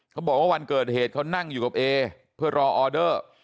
บอกว่าวันเกิดเหตุเขานั่งอยู่กับเอเพื่อรอออเดอร์